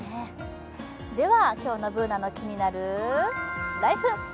では今日の「ＢｏｏｎａのキニナルＬＩＦＥ」。